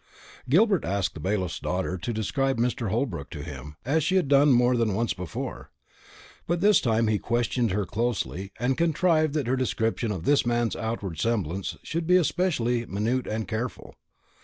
Gilbert asked the bailiff's daughter to describe Mr. Holbrook to him, as she had done more than once before. But this time he questioned her closely, and contrived that her description of this man's outward semblance should be especially minute and careful.